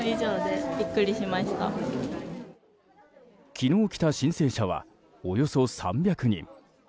昨日来た申請者はおよそ３００人。